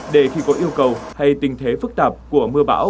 để khi có yêu cầu hay tình thế phức tạp của mưa bão